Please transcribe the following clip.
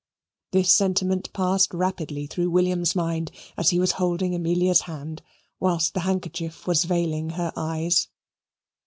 This sentiment passed rapidly through William's mind as he was holding Amelia's hand, whilst the handkerchief was veiling her eyes.